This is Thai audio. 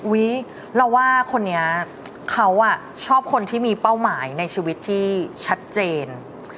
เราว่าคนนี้เขาชอบคนที่มีเป้าหมายในชีวิตที่ชัดเจน